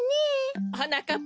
はなかっ